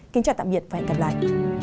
kính chào tạm biệt và hẹn gặp lại